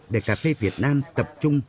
để cà phê việt nam tập trung